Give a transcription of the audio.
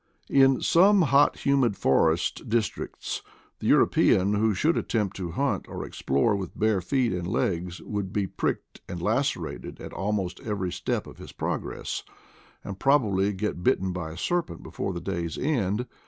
In some hot humid forest districts, the European who should attempt to hunt or explore with bare feet and legs would be pricked and lacerated at almost every step of his progress, and probably get bitten by a serpent before the day's end.